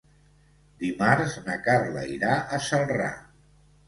Dimarts na Carla irà a Celrà.